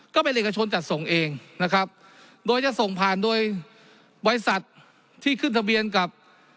ก็เป็นเอกชนจัดส่งเองนะครับโดยจะส่งผ่านโดยบริษัทที่ขึ้นทะเบียนกับ